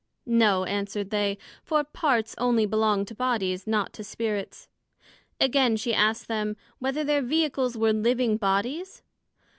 No, answered they; for parts onely belong to bodies, not to Spirits. Again, she asked them, Whether their Vehicles were living Bodies?